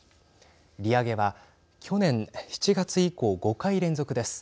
利上げは去年７月以降５回連続です。